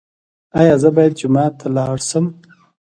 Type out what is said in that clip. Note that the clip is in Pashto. ایا زه باید جومات ته لاړ شم؟